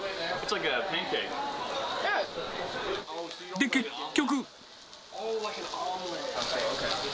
で、結局。